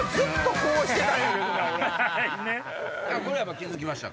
これやっぱ気付きましたか？